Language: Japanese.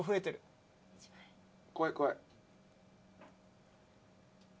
怖い怖い。